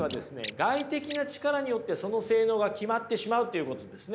外的な力によってその性能が決まってしまうということですね。